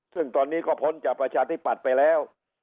ซึ่งตอนนี้ก็พ้นจากประชาธิปัตย์ไปแล้ว